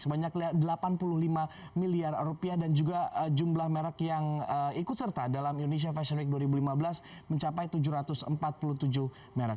sebanyak delapan puluh lima miliar rupiah dan juga jumlah merek yang ikut serta dalam indonesia fashion week dua ribu lima belas mencapai tujuh ratus empat puluh tujuh merek